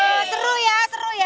oh seru ya seru ya